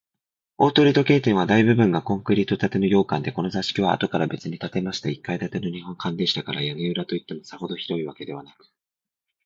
大鳥時計店は、大部分がコンクリート建ての洋館で、この座敷は、あとからべつに建てました一階建ての日本間でしたから、屋根裏といっても、さほど広いわけでなく、